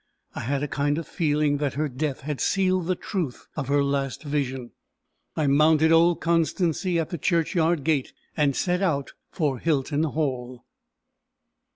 I had a kind of feeling that her death had sealed the truth of her last vision. I mounted old Constancy at the churchyard gate, and set out for Hilton Hall.